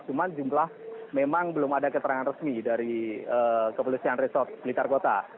cuman jumlah memang belum ada keterangan resmi dari kepolisian resort blitargota